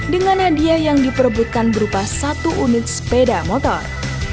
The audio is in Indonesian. dengan hadiah yang diperebutkan berupa satu unit sepeda motor